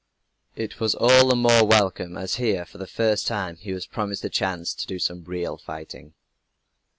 It was all the more welcome as here, for the first time, he was promised a chance to do some real fighting.